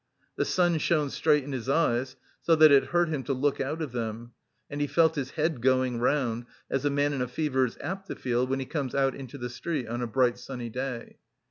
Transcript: The sun shone straight in his eyes, so that it hurt him to look out of them, and he felt his head going round as a man in a fever is apt to feel when he comes out into the street on a bright sunny day.